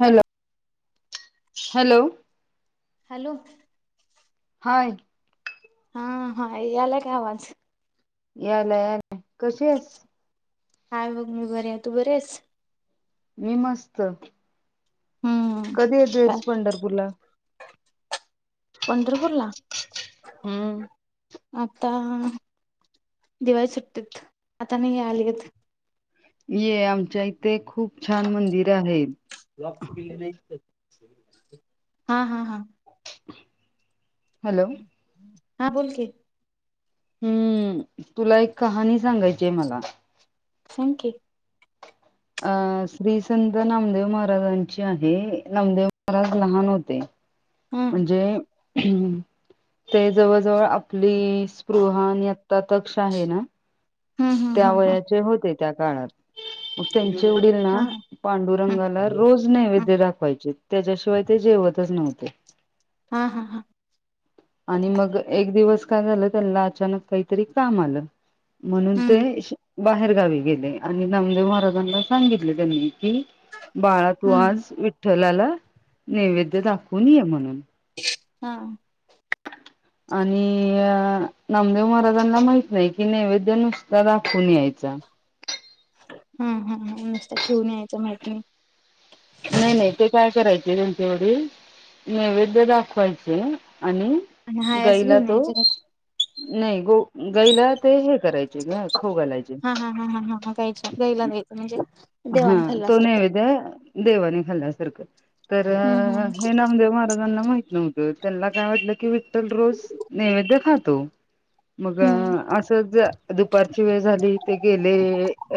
Hello hello hello. Hi हा हा यालागला आवाज. यायला यायला कशी हेस? हाय बघ मी बरी हाय तू बरी हाईस? मी मस्त. हम्म कधी येतोय पंढरपूर ला? पंढरपूरला? हम्म. आता दिवाळी सुट्टीत. आता नाही यायला येत. ये आमच्या इ ते खूप छान मंदिर आहेत. हा हा हा. [inaudible] [inaudible] हा बोल की. हम्म तुला एक कहाणी सांगायची आहे मला. सांग की. अ श्रीसंत नामदेव महाराजांची आहे नामदेव महाराज लहान होते, हा म्हणजे ते जवळ जवळ आपली स्पृह नियतातक्ष आहे ना हम्म हम्म त्या हम्म हम्म वयाचे होते. त्या काळात. मग त्यांच्या वडीलना हा हा हा पांडुरंगाला रोज नैवेद्य दाखवायचे त्याच्याशिवाय ते जेवतच नव्हते. ते. हा हा हा. आणि मग एक दिवस काय झालं त्याला अचानक काहीतरी काम आलं. म्हणून ते हम्म बाहेर गावी गेले आणि नामदेव महाराजांना सांगितले. त्यांनी बाळा तू हम्म आज विठ लाला नैवेद्य दाखवून ये म्हणून. हां. आणि नामदेव महाराजांना माहित नाही कि नैवेद्य नुसता दाखवून यायचा. हा, हा, हा नुसत ठेऊन यायचं माहीत नाही. नाही-नाही ते काय करायचे त्यांचे वडील नैवेद्य दाखवायचे. आणि आणि हायाच गाईला घेऊन तो यायचं नाही गो गाईला ते हे करायचं. हा, हा, हा, हा गाईच्या गाईला द्यायचं म्हणजे. हा देवान तो खाल्ल्यासारखं नैवेद्य देवा खाल्या सारखं. तर हम्म हम्म हे नामदेव महाराजांना माहित नव्हत. त्यांना काय वाटलं की विठ्ठल रोज नैवेद्य खातो. मग हम्म असंच दुपारची वेळ झाली ते गेले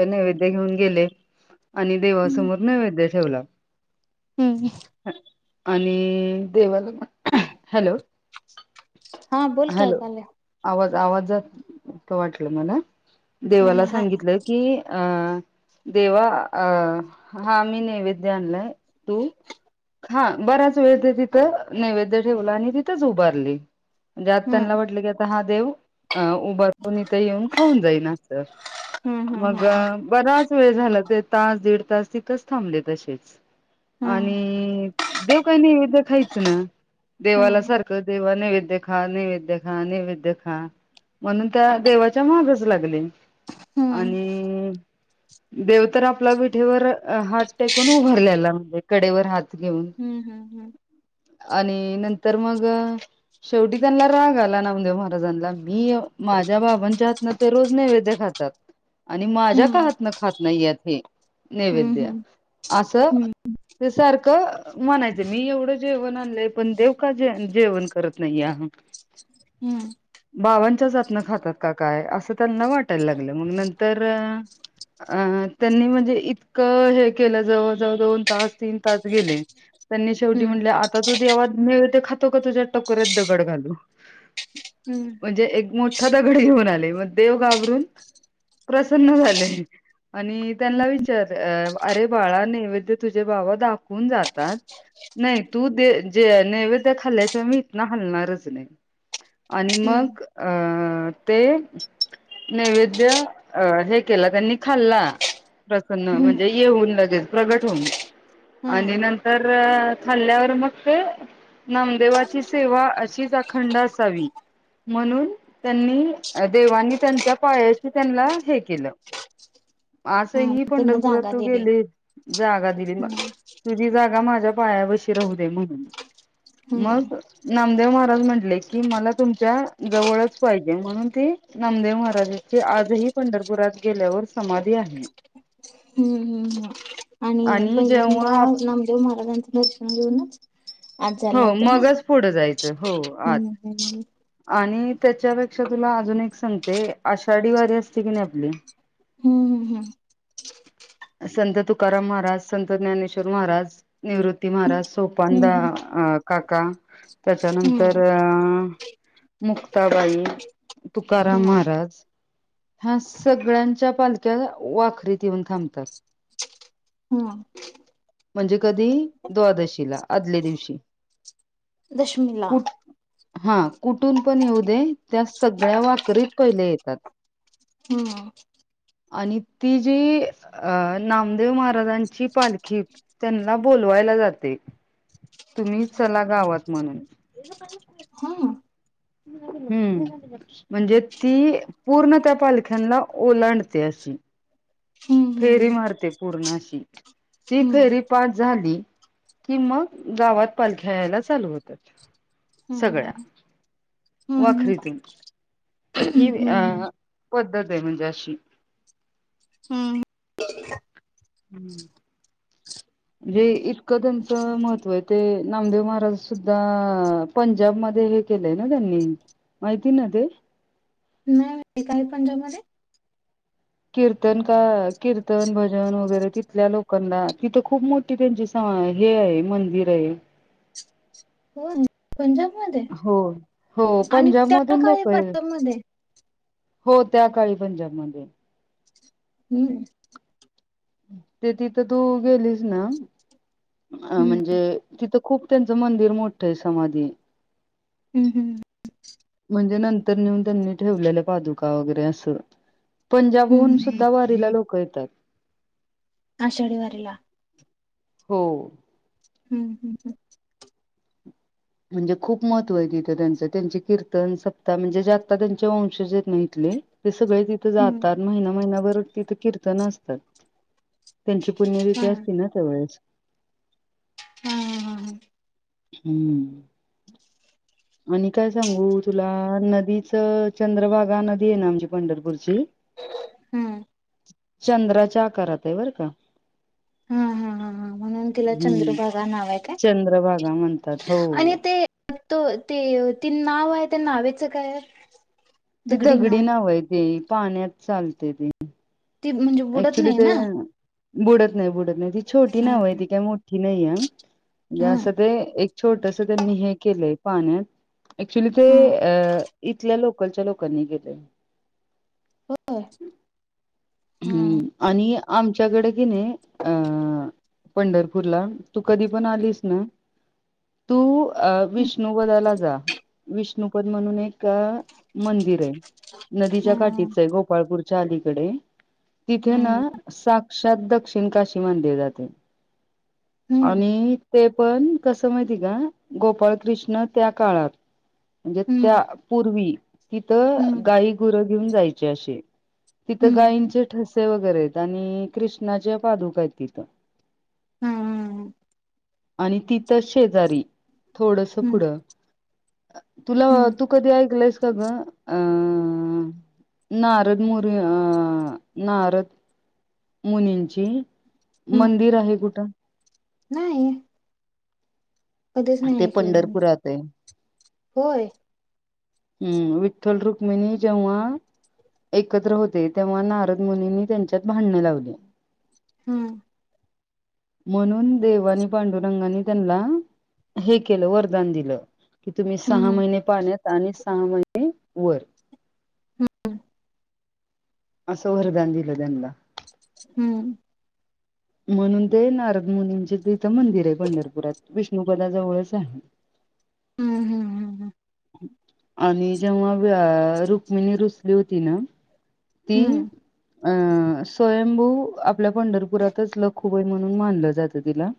नैवेद.. ते घेऊन गेले. आणि हम्म देवासमोर नैवेद्य. ठेवला. हम्म. आणि देवाला,, हॅलो. हा बोल की ऐकाले. आवाजात वाटलं मला. नाही देवाला नाही हा सांगितलं की. हा. देवा अ, हा मी नैवेद्य आणलाय तू खा, बराच वेळ ते तिथं नैवेद्य ठेवला आणि तिथंच उभारले. म्हणजे आता हम्म त्यांना वाटलं की आता हा देव उभारून इथे येऊन खाऊन जाईन असं, हम्म हम्म मग बराच. वेळ झाला तर तास-दीड तास तिथंच थांबले तसेच. हम्म आणि. देव काय नैवेद्य. खाईच ना, देवाला सारख देवा नैवे नैवेद्य खा, नैवेद्य खा, नैवेद्य खा, म्हणून त्या देवाच्या मागच लागले. हम्म आणि. देव तर आपला विठेवर हात टेकून उभारलेला म्हणजे कडेवर हात. घेऊन हम्म, हम्म, हम्म. आणि नंतर मग शेवटी त्यांना राग आला नामदेव महाराजांना मी माझ्या बाबांच्या हातनं ते रोज नैवेद्य खातात, आणि माझ्या हम्म का हात. हातन खात नाही आहेत हे नैवेद्य हम्म असं हम्म हे सारखं म्हणायचे मी एवढं जेवण आणलंय पण देव का जेवण करत नाही आहेत हम्म बाबांच्याच हातनं खातात का काय असं त्यांना वाटायला लागलं मग नंतर. अ त्यांनी म्हणजे इतकं हे केलं जवळ-जवळ दोन-तास, तीन -तास गेले त्यांनी शेवटी हम्म म्हटले, आता तू देवा मिळेल ते खातो काय तुझ्या टकोऱ्यात दगड घालू, हम्म हम्म हम्म म्हणजे एक मोठा दगड घेऊन आले मग देव घाबरून प्रसन्न झाले. आणि त्यांना विचार अरे बाळा नैवेद्य तुझे बाबा दाखवून जातात, नाही तू दे ज नैवेद्य खाल्ल्याशिवाय मी इथनं हालणारच नाही आणि हम्म मग अं ते नैवेद्य अ हे केलं त्यांनी. खाल्ला प्रसन्न म्हणजे हम्म येऊन लगेच प्रगट होऊन आणि हम्म नंतर खाल्ल्यावर मग ते नामदेवाची सेवा अशीच अखंड असावी म्हणून त्यांनी देवांनी त्यांच्या पायाशी त्यांना हे केलं. पास ते हम्म ही त्यांना पंढरपुरात जागा तू दिली गेलीस जागा दिली हम्म मला तुझी जा माझ्या पायापशी राहु दे म्हणून हम्म हम्म मग नामदेव महाराज म्हटले की, मला तुमच्या जवळच पाहिजे म्हणून ती नामदेव महाराजाची आजही पंढरपुरात. गेल्यावर समाधी आहे. नियम आणि पहिल्यांदा जेव्हा नामदेव महाराजांच. दर्शन घेऊनच. आज जायला हो लागते ना मगच पुढं जायचं हो आत. हम्म हम्म आणि त्याच्यापेक्षा तुला अजून एक सांगते, आषाढी वारी असते की नाही आपली. हम्म हम् हम्म. संत तुकाराम महाराज, संत ज्ञानेश्वर महाराज, निवृत्ती महाराज, हम्म सोपानदा हम्म आ का. काका. त्याच्यानंतर हम्म अ. मुक्ताबाई हम्म तुकाराम हा महाराज, ह्या सगळ्यांच्या पालख्या वाखरीत येऊन थांबत तर हम म्हणजे कधी द्वादशीला आदल्या दिवशी. दशमीिला. कुठ हा कुठून पण येऊ दे त्या सगळ्या वाकरीत पहिल्या येतात. हम् आणि ती जी. अ नामदेव महाराजांची पालखी त्यांना बोलवायला जाते, तुम्ही चला गावात म्हणून. हा हम् म्हणजे ती पूर्ण त्या पालख्यांना ओलांडते अशी हम्म फेरी हम्म मारते पूर्ण अशी ती हम्म फेरी पाठ झाली कि, मग गावात पालख्या यायला चालू होतात सगळ्या. हम्म हम्म हम्म वखरीतून ही हम्म अ हम्म हम्म पद्धत आहे. म्हणजे अशी. हम्म जे इतकं त्यांचं महत्त्व आहे. ते नामदेव महाराज सुद्धा पंजाब मध्ये हे केलंय ना त्यांनी माहिती ना ते. नाही माहिती काय पंजाबमध्ये. कीर्तन का कीर्तन भजन वगैरे तिथल्या लोकांना तिथं खूप मोठी त्यांची स हे आहे. मंदिर आहे. हो. पंजाब मध्ये हो हो आणि पंजाब त्या मधून काळी लोक आहे पजाब मध्ये. हो त्या काळी पंजाबमध्ये. हम्म ते तिथं तू गेलीस ना. अ हम्म म्हणजे तिथं. खूप त्यांचं मंदिर मोठं आहे. समाधी. हम्म हम् म्हणजे नंतर नेऊन त्यांनी ठेवलेल्या पादुका वगैरे अस. पंजाबहून हम्म सुद्धा वारीला लोक. करतात. आषाढी वारीला. हो. हम्म हम्म हम् म्हणजे खूप महत्व आहे तिथं त्यांच त्यांचे कीर्तन सप्ताह म्हणजेता त्यांचे वंशज इथले सगळे तिथे हम्म जातात महिना महिना भर तिथं कीर्तन असतात. त्यांची पुण्यरिती हम्म असती ना त्या वेळेस हा हम हम ह हम्म आणि काय सांगू तुला नदीच चंद्रभागा नदी आहे ना आमची पंढरपूरची हम्म चंद्राच्या आकारात आहे बरं का. हा हा हा हा म्हणून तिला हम्म चंद्रभागा नाव आहे काय चंद्रभागा म्हणतात हो आणि ते तो ते ति नाव आहे त्या नावेचं काय आहे. दगडी तिगडी नाव [unintelligible] नावय तेे पाण्यात चालते ते ती म्हणजे बुडत नाही ना. बुड नाही बुडत नाही ती छोटी हा नाव आहे ती काय मोठी नाही आहे हा असं ते छोटस त्यांनी हे केलंय पाण्यात क्च्युली ते हा इथल्या लोक लकलच्या लोकनी गेले [unintelligible] हो हम्म आणि आमच्याकडे किणे अं पंढरपूरला तू कधी पण आलीस ना तू अ हम्म विष्णुपदाला जा विष्णुपद म्हणून एक मंदिर आहे. नदीच्या हम्म काठीच आहे गोपाळपूर चालीकडे तिथे ना हम्म साक्षात दक्षिण काश्मी किमान देव जाते. [unintelligible] हम्म आणि ते पण कसं माहिती का गोपाळकृष्ण त्या काळात म्हणजे हम्म त्या पूर्वी तिथं हम्म गाई गुर घेऊन जायचे असे. तिथं हम्म गाई ची वगैरे आहेत आणि कृष्णाच्या पादुका आहेत तिथे हम्म हम्म आणि तिथंच शेजारी थोडस पुढं तुला हम्म तू कधी ऐकलंस. सगं अ नारद मुरी अ- नारद मुनीची- हम्म, मंदिर आहे कुठं? नाही. कधीच नाही ते ऐकलेलं मी पंढरपुरात आहे होय. हम्म विठ्ठल रुक्मिणी जेव्हा एकत्र होते तेव्हा नारद मुनींनी त्यांच्यात भांडण लावले. हम्म. म्हणून देवानी पांडुरंगानी त्यांना- हे केलं वरदान दिलं. की तुम्ही सहा हम्म, महिने पाहण्यात आणि सहा महिनै वर. हम्म हम. असं वरदान दिलं त्यांना- हम्म म्हणून ते नारद मुनींचे तिथं मंदिर आहे पंढरपुरात विष्णुपदा जवळच आहे. हम्म हम्म हम् हम्म. आणि जेव्हा रुक्मिणी रुसली होती ना- ते. हम्म, अ स्वयंभू आपल्या पंढरपुरातच लखुबाई म्हणून मानलं जात. तिला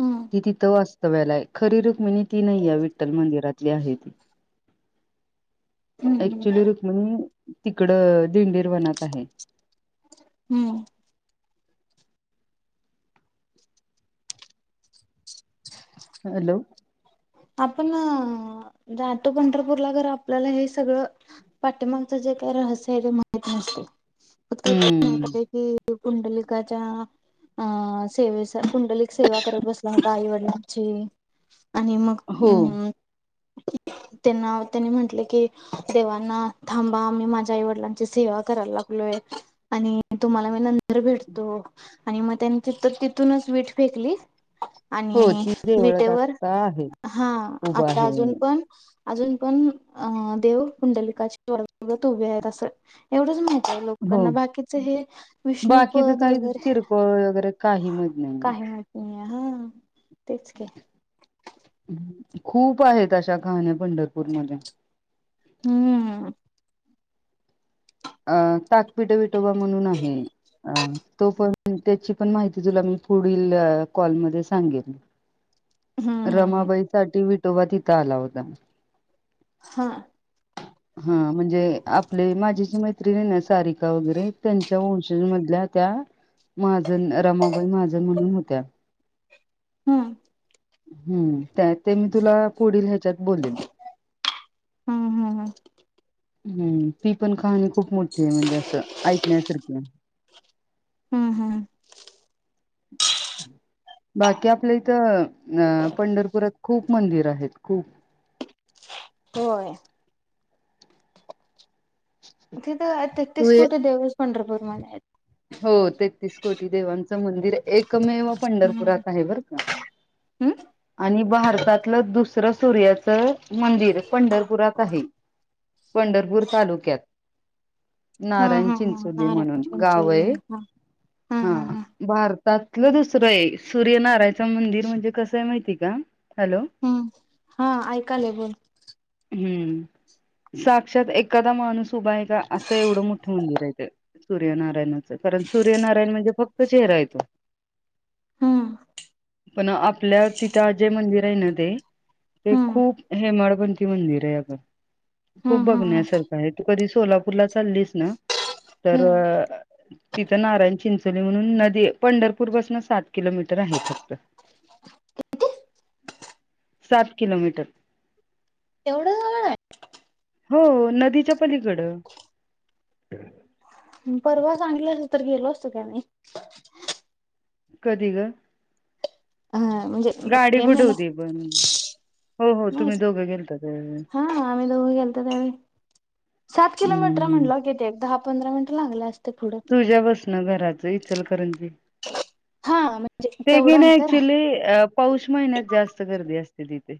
हम्म, ती तिथ अस. व्यालाय खरी रुक्मिणी ती नाही या विठ्ठल मंदिरातली आहे ती. हम्म, ऍक्चुली रुक्मिणी- इकड दिंडीर वनात आहे. हम्म हॅलो. आपण जातो पंढरपूरला तरर आपल्याला हे सगळं पाठिंमागच जे काय रहस्य आहे ते माहित नसते हम्म मे की. पुंडलिकाच्या अ सेवेसाठी. पुंडलिक सेवा करत बसला होता आई वडलां- ची आणि- हम् हो हम. त्यांना त्यांनी म्हंटले की देवांना थांबा मी माझ्या आई वडिलांची सेवा करायला लागलोय आणि तुम्हाला मी न नंतर भेटतो. आणि मग त्यांनी त तिथूनच वीट फेकली- हो आणि ती देवळ विटेवर आता आहे. हा उभं आता आहे अजून पण अजून पण अ देव पुुंडलिकाची वगत उभे आहेत असं एवढंच माहिती हो लोकांना बाकीच हे बाकीच विष्णूपद काही वगैरे किरकोळ वगैरे काही माहित काही मात नाही. हा तेच की. खूप आहेत अशा कहाण्या पंढरपूर मधून. हम्म. अ ताकपीट विटोबा म्हणून आहे तो पण त्याची पण माहिती तुला मी पुढील कॉलमध्येध्ये सांगेन. हम्म हम्म हम्म रमाबाई साठी वि तोव्हा तिथं आला होता. हा हा म्हणजे आपले माझी जी मैत्रीण ति सारिका वगैरे त्यांच्या वंशज मधल्या त्या महाजन रमाबाई महाजन म्हणून होत्या. हम्म. हम्म. त्या ते मी तुला पुढील ह्याच्यात बोलेल. हम्म हम्म हम. हम्म ती पण कहाणी खूप मोठी आहे म्हणजे असं ऐकण्यासारखी आहे. हम्म हम्म. बाकी आपल्या इथं अ पंढरपुरात खूप मंदिर आहेत खूप होय. तिथं तू तेसतीस ये कोटी देवीस पंढरपूर तुम्हाला हो तेहतीस कोटी देवांचं मंदिर एक मेव पंढरपुरात हम्म आहे बर का आणि भारतातलं दुसरं सूर्याच मंदिर पंढरपुरात आहे. पंढरपूर तालुक्यात हा नारायण हा हा चिंच नारायण म्हणून गाव चिंचोली आहे. हा हा भारत त्यातलं दुसरं आहे सूर्यनारायचं मंदिर म्हणजे कसं आहे माहितीय का? हॅलो हम्म हा ऐकालय बोल हम्म साक्षात एखादा माणूस उभा आहे का असं एवढं मोठं मंदिर आहेेत ते सूर्यनारायणाच कारण सूर्यनारायण म्हणजे फक्त चेहरा येतो. हम. पण आपल्या तिथं जे मंदिर आहे. ना ते ते हम्म खूप हेमाडपंती मंदिर आहे अगं आपण खूप हम्म हम्म हम्म बघण्यासारखं आहे तू कधी सोलापूरला चाललीस ना तर हम्म. तिथं नारायण चिंचोली म्हणून नदी पंढरपूर पासून सात किलोमीटर आहे फक्त सात किलोमीटर एवढं [unintelligible] हो नदीच्या पलीकडं परवा संगीत तर गेलो असतो की आम्ही. कधी ग? हा म्हणजे गाडी मे महिन्यात कुठवती पण हो हो तुम्ही दोघं गेलता त्यावेळी हा आम्ही दोघ गेलतो त्यावेळी सात किलोमीटर हम्म म्हटलाव की पंधरा मिनट लागलं अस तुझ्या बसनं घराच इचलकरंजी हा म्हणजे ते घे तेवढं नाही अंतर ऍक्च्युली अ पौष महिन्यात जास्त गर्दी असते तिथे